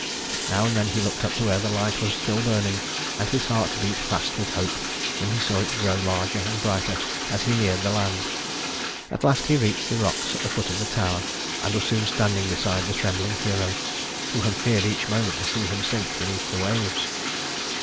Now and then he looked up to where the light was still burning, and his heart beat fast with hope when he saw it grow larger and brighter as he neared the land. At last he reached the rocks at the foot of the tower and was soon standing beside the trembling Hero, who had feared each moment to see him sink beneath the waves.